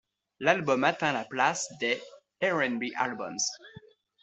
L'album atteint la place des ' RnB Albums.